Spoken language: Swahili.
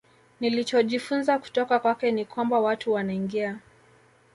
Nilichojifunza kutoka kwake ni kwamba watu wanaingia